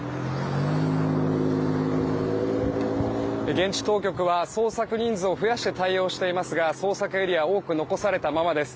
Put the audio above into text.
現地当局は捜索人数を増やして対応していますが捜索エリア多く残されたままです。